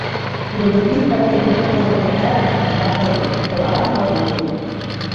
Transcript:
Тудо гостиница воктен изиш шогылт эртара гынат, нимат ок лий: олалан палыме еҥ.